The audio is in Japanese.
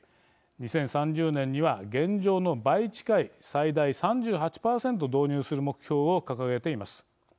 ２０３０年には現状の倍近い最大３８％導入する目標を掲げています。